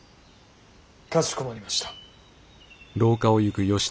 かしこまりました。